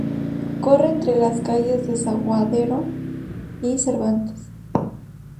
Corre entre las calles Desaguadero y Cervantes.